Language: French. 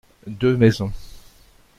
Deux maisons.